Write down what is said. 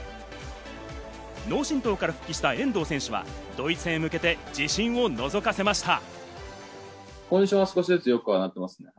脳しんとうから復帰した遠藤選手はドイツ戦へ向けて自信をのぞかせました。